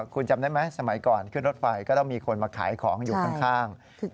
คุณจำได้ไหมสมัยก่อนขึ้นรถไฟก็ต้องมีคนมาขายของอยู่ข้าง